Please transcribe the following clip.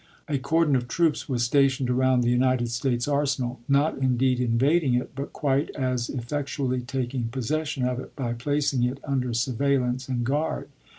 A cordon of troops was stationed around the United States Arsenal, not indeed invading it, but quite as effectually taking possession of it by plac ing it under surveillance and guard.